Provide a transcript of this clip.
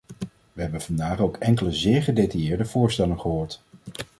We hebben vandaag ook enkele zeer gedetailleerde voorstellen gehoord.